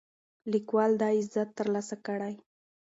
لیکوال دا عزت ترلاسه کړی.